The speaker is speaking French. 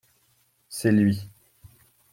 C’est lui.